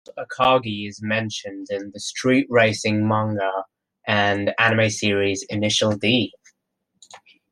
Mount Akagi is mentioned in the street racing manga and anime series "Initial D".